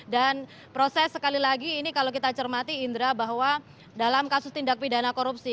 dan proses sekali lagi ini kalau kita cermati indra bahwa dalam kasus tindak pidana korupsi